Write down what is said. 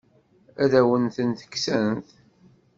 Ad awen-tent-kksent?